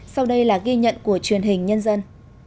sau đây là ghi nhận của truyền hình nhân dân